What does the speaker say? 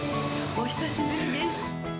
お久しぶりです。